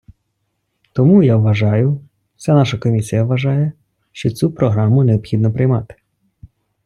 Тому я вважаю, вся наша комісія вважає, що цю програму необхідно приймати.